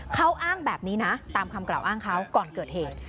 เขาอ้างแบบนี้นะตามคำกล่าวอ้างเขาก่อนเกิดเหตุ